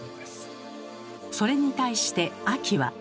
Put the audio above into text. それに対して秋は。